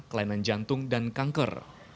kelainan jantung dan kanker